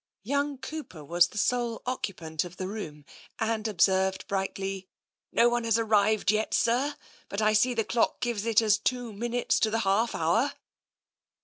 Young Cooper was the sole occupant of the room, and observed brightly, " No one has arrived yet, sir, but I see the clock gives it as two minutes to the half hour."